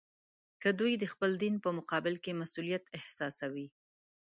که دوی د خپل دین په مقابل کې مسوولیت احساسوي.